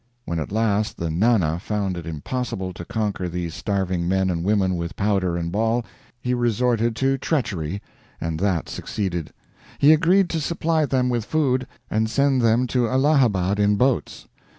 When at last the Nana found it impossible to conquer these starving men and women with powder and ball, he resorted to treachery, and that succeeded. He agreed to supply them with food and send them to Allahabad in boats.